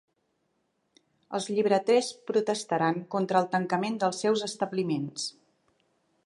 Els llibreters protestaran contra el tancament dels seus establiments.